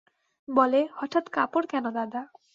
বলে, হঠাৎ কাপড় কেন দাদা?